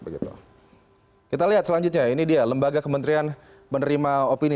kita lihat selanjutnya ini dia lembaga kementerian menerima opini